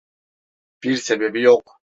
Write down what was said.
Bir sebebi yok.